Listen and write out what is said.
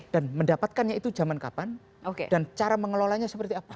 dan mendapatkannya itu zaman kapan dan cara mengelolanya seperti apa